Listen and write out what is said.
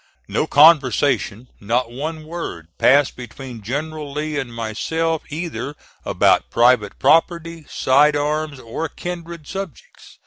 No conversation, not one word, passed between General Lee and myself, either about private property, side arms, or kindred subjects.